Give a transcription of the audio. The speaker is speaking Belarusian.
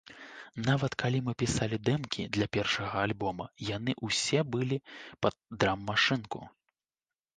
Нават, калі мы пісалі дэмкі для першага альбома, яны ўсе былі пад драм-машынку.